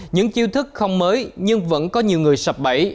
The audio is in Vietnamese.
những chiêu thức không mới nhưng vẫn có nhiều người sập bẫy